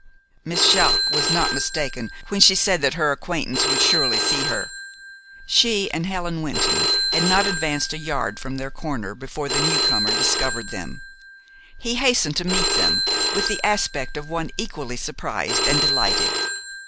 Miss Jaques was not mistaken when she said that her acquaintance would surely see her. She and Helen Wynton had not advanced a yard from their corner before the newcomer discovered them. He hastened to meet them, with the aspect of one equally surprised and delighted.